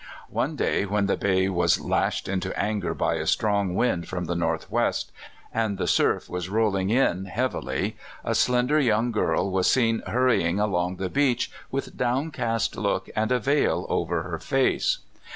One day when the bay was lashed into anger by a strong wind from the northwest, and the surf was rolling in heavily, a slender young girl was seen hurrying along the beach with downcast look and a veil over her face.